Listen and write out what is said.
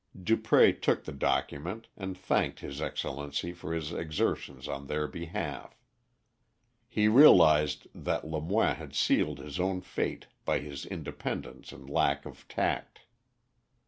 Dupré took the document, and thanked his Excellency for his exertions on their behalf. He realised that Lemoine had sealed his own fate by his independence and lack of tact.